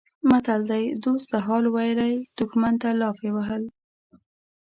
متل دی: دوست ته حال ویلی دښمن ته لافې وهل.